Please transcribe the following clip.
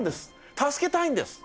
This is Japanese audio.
助けたいんです！